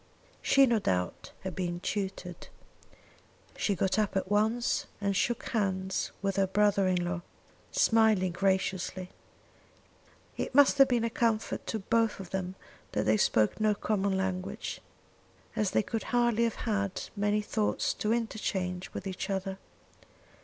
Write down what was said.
She, no doubt, had been tutored. She got up at once and shook hands with her brother in law, smiling graciously. It must have been a comfort to both of them that they spoke no common language, as they could hardly have had many thoughts to interchange with each other.